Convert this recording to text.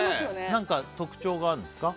何か特徴があるんですか？